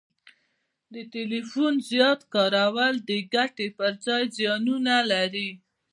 د ټلیفون زیات کارول د ګټي پر ځای زیانونه لري